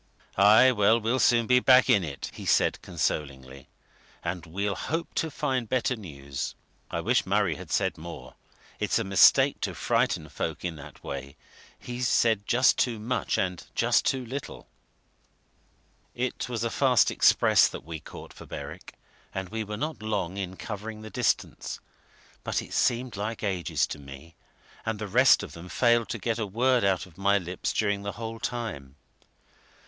"Aye, well, we'll soon be back in it," he said, consolingly. "And we'll hope to find better news. I wish Murray had said more; it's a mistake to frighten folk in that way he's said just too much and just too little." It was a fast express that we caught for Berwick, and we were not long in covering the distance, but it seemed like ages to me, and the rest of them failed to get a word out of my lips during the whole time.